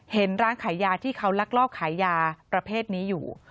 เห็นร้านขายยาที่เขาลักลอบขายยาประเภทนี้อยู่